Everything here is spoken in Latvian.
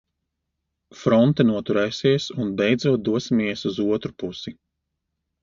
Fronte noturēsies un beidzot dosimies uz otru pusi.